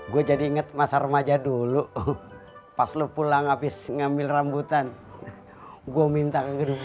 gue jadi inget masa remaja dulu pas lu pulang abis ngambil rambutan gua minta